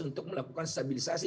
untuk melakukan stabilisasi